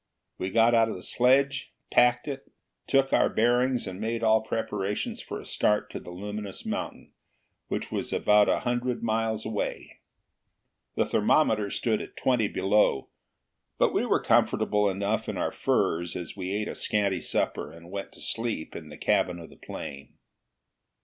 We got out the sledge, packed it, took our bearings, and made all preparations for a start to the luminous mountain, which was about a hundred miles away. The thermometer stood at twenty below, but we were comfortable enough in our furs as we ate a scanty supper and went to sleep in the cabin of the plane.